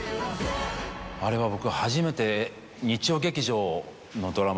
あれは僕。